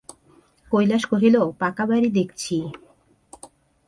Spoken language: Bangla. কৈলাস কহিল, পাকা বাড়ি দেখছি!